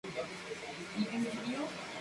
En la reacción se desprende hidrógeno.